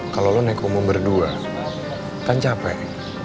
kalau lo naik umum berdua kan capek